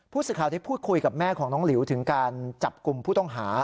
สิทธิ์ครอบคราวที่พูดคุยกับแม่ของน้องหลิวถึงการจับกลุ่มผู้ต้องหา